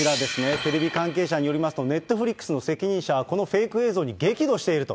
テレビ関係者によりますと、ネットフリックスの責任者は、このフェイク映像に激怒していると。